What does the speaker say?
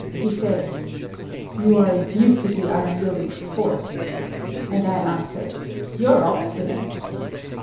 He said "You're a deucedly unyielding sport," and I answered "You're obstinate."